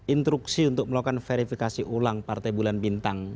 instruksi untuk melakukan verifikasi ulang partai bulan bintang